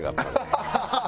ハハハハ！